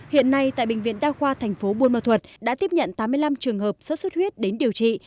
hiện nay tại bệnh viện đa khoa thành phố buôn ma thuật đã tiếp nhận tám mươi năm trường hợp sốt xuất huyết đến điều trị